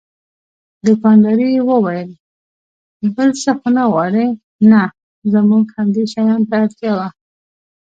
دوکاندارې وویل: بل څه خو نه غواړئ؟ نه، زموږ همدې شیانو ته اړتیا وه.